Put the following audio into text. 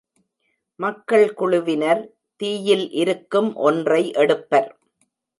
மக்கள் குழுவினர் தீயில் இருக்கும் ஒன்றை எடுப்பர்.